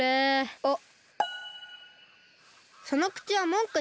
あっ！